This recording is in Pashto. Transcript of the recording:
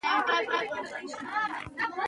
کابو له شپږ زرو زیات غوښتنلیکونه ترلاسه شوي و.